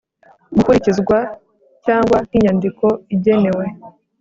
gukurikizwa cyangwa nk inyandiko igenewe